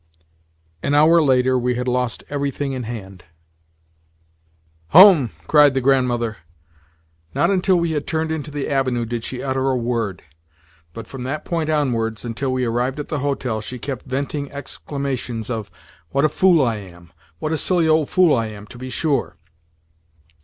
An hour later we had lost everything in hand. "Home!" cried the Grandmother. Not until we had turned into the Avenue did she utter a word; but from that point onwards, until we arrived at the hotel, she kept venting exclamations of "What a fool I am! What a silly old fool I am, to be sure!"